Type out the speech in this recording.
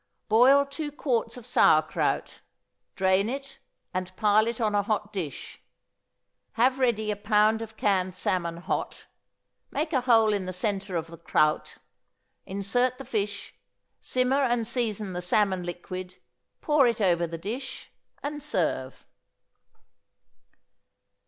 = Boil two quarts of sauerkraut; drain it, and pile it on a hot dish; have ready a pound of canned salmon hot; make a hole in the centre of the kraut, insert the fish, simmer and season the salmon liquid, pour it over the dish, and serve.